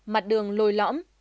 mặt đường lôi lõm